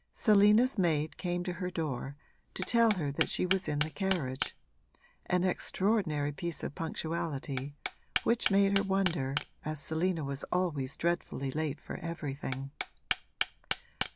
Selina's maid came to her door to tell her that she was in the carriage an extraordinary piece of punctuality, which made her wonder, as Selina was always dreadfully late for everything.